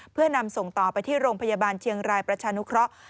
เพื่อนำส่งต่อไปที่โรงพยาบาลเชียงรายประชานุเคราะห์